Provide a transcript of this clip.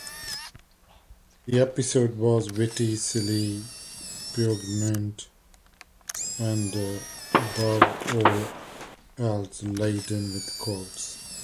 The episode was witty, silly, poignant and above all else laden with quotes.